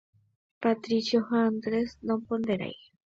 Patricio ha Andrés noponderái